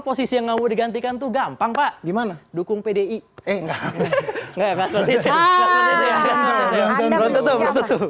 posisi yang mau digantikan tuh gampang pak gimana dukung pdi eh nggak ngerti nah akan berontak untuk